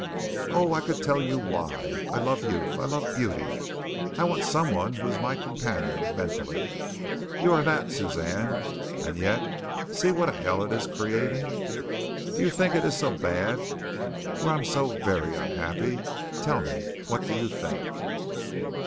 Oh, I could tell you why! I love youth. I love beauty. I want someone who is my companion mentally. You are that, Suzanne, and yet see what a hell it is creating. Do you think it is so bad where I am so very unhappy? Tell me, what do you think?"